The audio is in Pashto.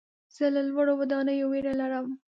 زه له لوړو ودانیو ویره لرم.